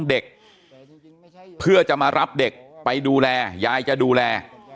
เด็กเพื่อจะมารับเด็กไปดูแลยายจะดูแล